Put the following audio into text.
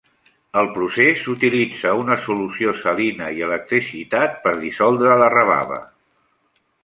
El procés utilitza una solució salina i l'electricitat per dissoldre la rebava.